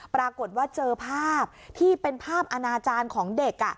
ปรากฏว่าเจอภาพที่เป็นภาพอนาจารย์ของเด็ก